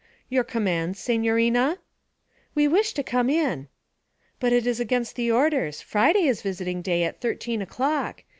'Your commands, signorina?' 'We, wish to come in.' 'But it is against the orders. Friday is visiting day at thirteen o'clock.